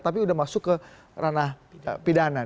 tapi sudah masuk ke ranah pidana